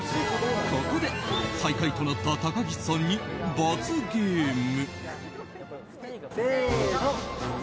ここで、最下位となった高岸さんに罰ゲーム。